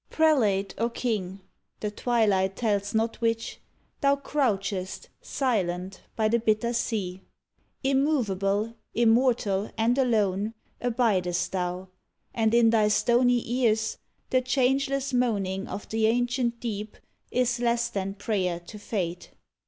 Prelate or king (the twilight tells not which), Thou crouchest, silent, by the bitter sea. Immovable, immortal and alone, Abidest thou, and in thy stony ears The changeless moaning of the ancient deep Is less than prayer to Fate.